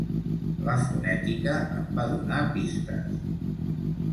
La fonètica em va donar pistes.